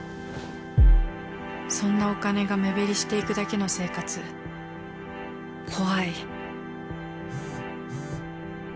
そんなお金が目減りしていくだけの生活留奈。